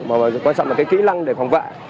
mà quan trọng là kỹ năng để phòng vệ